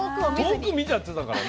遠く見ちゃってたからね。